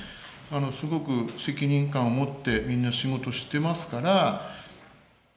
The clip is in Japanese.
すごく責任感を持ってみんな仕事をしてますから。